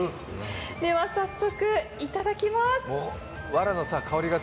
では早速、いただきます。